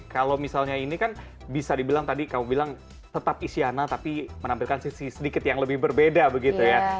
kalau misalnya ini kan bisa dibilang tadi kamu bilang tetap isyana tapi menampilkan sisi sedikit yang lebih berbeda begitu ya